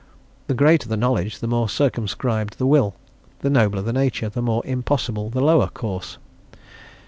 The greater the knowledge, the more circumscribed the will; the nobler the nature, the more impossible the lower course.